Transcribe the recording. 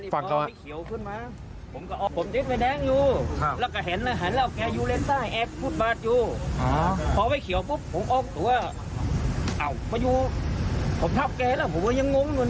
ฟังกันว่า